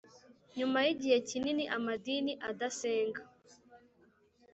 nyuma yigihe kinini amadini adasenga